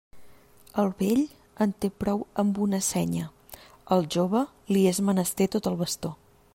El vell en té prou amb una senya, al jove li és menester tot el bastó.